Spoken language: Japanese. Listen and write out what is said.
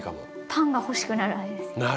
パンが欲しくならないですか。